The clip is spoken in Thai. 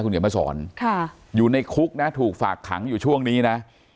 เดี๋ยวมาสอนอยู่ในคุกนะถูกฝากขังอยู่ช่วงนี้นะ